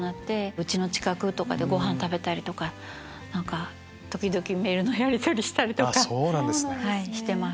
うちの近くでご飯食べたりとか時々メールのやりとりしたりとかしてます。